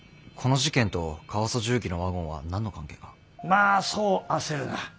まあそう焦るな。